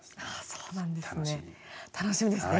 そうなんですね。